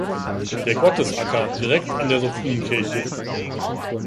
Der Gottesacker direkt an der Sophienkirche.